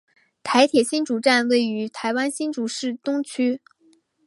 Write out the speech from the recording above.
台铁新竹站位于台湾新竹市东区。